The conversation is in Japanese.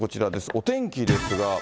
お天気ですが。